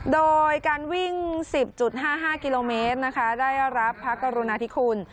โดยการวิ่ง๑๐๕๕กิโลเมตรนะคะได้รับพระกรุณาธิคุณ